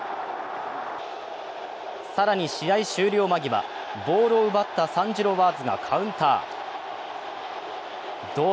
更に試合終了間際、ボールを奪ったサンジロワーズがカウンター。